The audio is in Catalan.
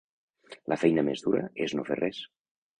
La feina més dura és no fer res.